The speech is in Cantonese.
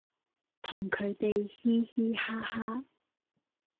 同佢地嘻嘻哈哈